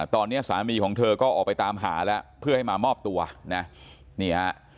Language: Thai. ตอนนี้สามีของเธอก็ออกไปตามหาแล้วเพื่อให้มามอบตัวนะนี่ฮะ